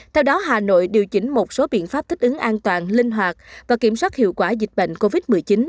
theo đó hà nội điều chỉnh một số biện pháp thích ứng an toàn linh hoạt và kiểm soát hiệu quả dịch bệnh covid một mươi chín